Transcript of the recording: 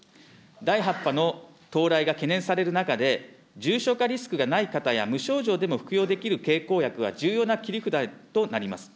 第８波の到来が懸念される中で、重症化リスクがない方や無症状でも服用できる経口薬が重要な切り札となります。